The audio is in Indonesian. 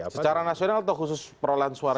secara nasional atau khusus perolehan suara